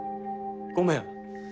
ごめん。